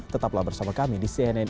tetaplah bersama kami di cnn indonesia